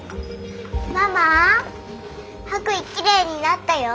ママ白衣きれいになったよ。